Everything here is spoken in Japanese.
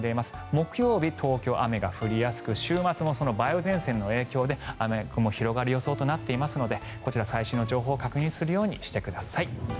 木曜日、東京雨が降りやすく週末も梅雨前線の影響で雨雲が広がる予想となっていますのでこちら最新の情報を確認するようにしてください。